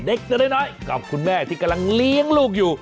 ตัวน้อยกับคุณแม่ที่กำลังเลี้ยงลูกอยู่